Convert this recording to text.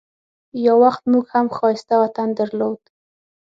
یو وخت موږ هم ښایسته وطن درلود.